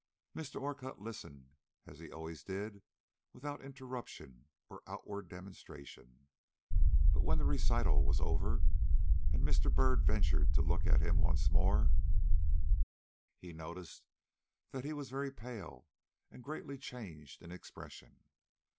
Mr. Orcutt listened, as he always did, without interruption or outward demonstration; but when the recital was over and Mr. Byrd ventured to look at him once more, he noticed that he was very pale and greatly changed in expression.